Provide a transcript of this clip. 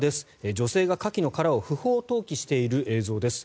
女性が、カキの殻を不法投棄している映像です。